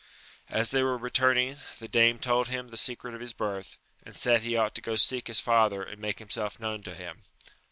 As they were returning, the dame told him the secret of his birth, and said he ought to go seek his father and make himself known to him.